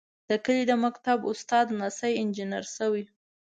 د کلي د مکتب استاد لمسی انجنیر شوی.